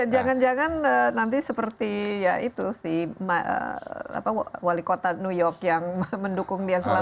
jangan jangan nanti seperti ya itu si wali kota new york yang mendukung dia selama ini